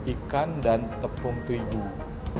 ikan dan tepung tuyuh